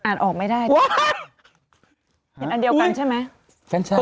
อันเดียวกันใช่ไหม